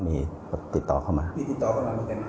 มีติดต่อเข้ามาเหมือนกัน